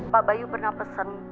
pak bayu pernah pesen